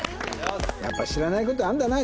やっぱ知らない事あるんだな。